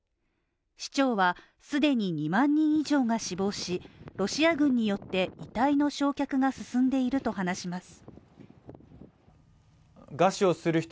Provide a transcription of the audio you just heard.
市長は既に２万人以上が死亡し、ロシア軍によって遺体の焼却が進んでいると話します。